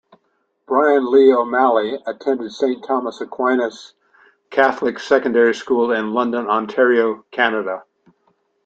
Bryan Lee O'Malley attended Saint Thomas Aquinas Catholic Secondary School in London, Ontario, Canada.